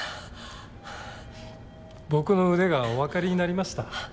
僕の腕がおわかりになりました？